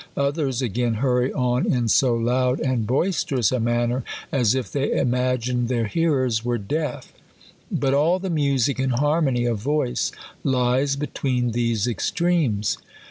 Others again hurry on in so loud and boisterous a manner, as if they imagined their hearers were deaf. But all the music and harmony of voice lies between these extremes.